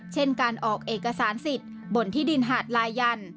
เช่นการออกเอกสารสิทธิ์บนที่ดินหาดลายัน